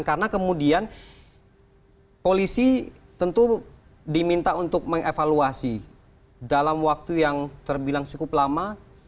karena kemudian polisi tentu diminta untuk mengevaluasi dalam waktu yang terbilang cukup lama